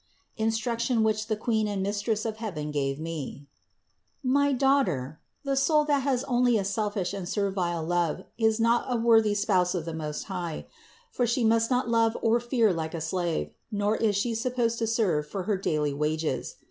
INSTRUCTION WHICH THE QUEEN AND MISTRESS OF HEAVEN GAVE ME. 107. My daughter, the soul that has only a selfish and servile love is not a worthy spouse of the Most High, for she must not love or fear like a slave, nor is she sup posed to serve for her daily wages.